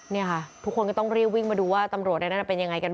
นี่ค่ะทุกคนก็ต้องรีบวิ่งมาดูว่าตำรวจในนั้นเป็นยังไงกัน